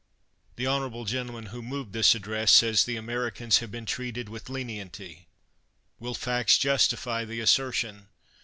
The honorable gentleman who moved this ad dress says, "The Americans have been treated with lenity." "Will facts justify the assertion?